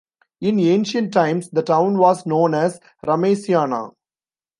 In ancient times, the town was known as Remesiana.